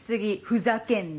ふざけんな